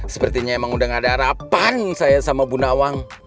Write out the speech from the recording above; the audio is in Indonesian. sepertinya emang udah gak ada harapan saya sama bu nawang